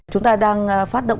chúng ta đang phát động